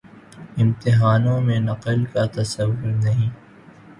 امتحانوں میں نقل کا تصور نہیں۔